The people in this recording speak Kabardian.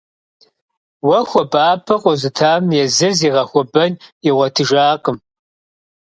Уэ хуабапӀэ къозытам езыр зыгъэхуэбэн игъуэтыжакъым.